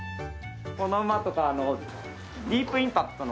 この馬とかディープインパクトの子供。